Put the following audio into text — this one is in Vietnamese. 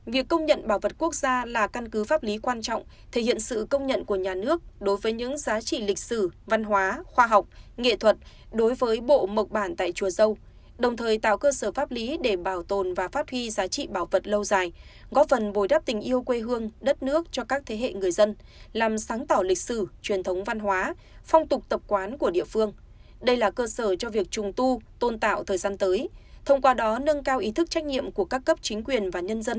việc công nhận bảo vật quốc gia là căn cứ pháp lý quan trọng thể hiện sự công nhận của nhà nước đối với những giá trị lịch sử văn hóa khoa học nghệ thuật đối với bộ mộc bản tại chùa dâu đồng thời tạo cơ sở pháp lý để bảo tồn và phát huy giá trị bảo vật lâu dài góp phần bồi đắp tình yêu quê hương đất nước cho các thế hệ người dân làm sáng tạo lịch sử truyền thống văn hóa phong tục tập quán của địa phương đây là cơ sở cho việc trùng tu tôn tạo thời gian tới thông qua đó nâng cao ý thức trách nhiệm của các cấp chính